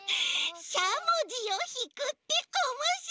しゃもじをひくっておもしろい！